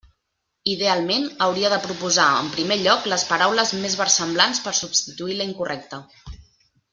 Idealment, hauria de proposar en primer lloc les paraules més versemblants per substituir la incorrecta.